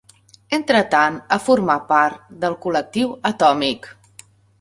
Entretant ha format part del Col·lectiu Atòmic.